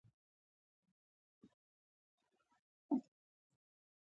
چې لومړی مشر يې نامتو ليکوال او د "هېواد" ورځپاڼې بنسټګر